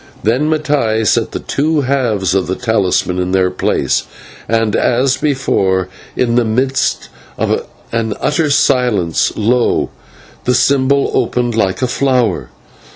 Then Mattai set the two halves of the talisman in their place; and as before, in the midst of an utter silence, lo! the symbol opened like a flower.